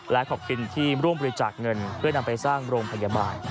และขอบคุณที่ร่วมบริจาคเงินเพื่อนำไปสร้างโรงพยาบาล